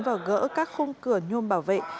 và gỡ các khung cửa nhôm bảo vệ